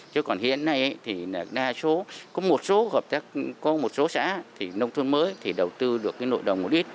chứ còn hiện nay thì đa số có một số hợp tác có một số xã thì nông thôn mới thì đầu tư được cái nội đồng một ít